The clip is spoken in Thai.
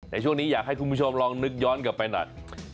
แต่ช่วงนี้อยากให้คุณผู้ชมลองนึกย้อนกลับไปหน่อย